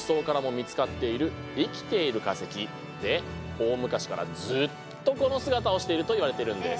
大昔からずっとこの姿をしているといわれているんです。